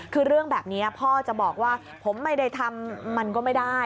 คือเรื่องแบบนี้พ่อจะบอกว่าผมไม่ได้ทำมันก็ไม่ได้